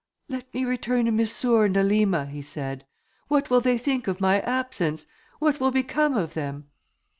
"Let me return to Missour and Elima," he said. "What will they think of my absence? what will become of them?"